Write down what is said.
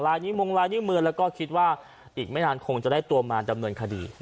หลายนี้มงหลายนี้เมืองแล้วก็คิดว่าอีกไม่นานคงจะได้ตัวมาจำนวนคดี